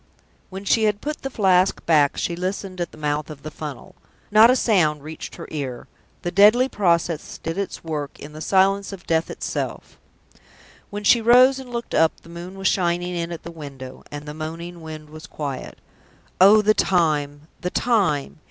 When she had put the Flask back, she listened at the mouth of the funnel. Not a sound reached her ear: the deadly process did its work in the silence of death itself. When she rose and looked up the moon was shining in at the window, and the moaning wind was quiet. Oh, the time! the time!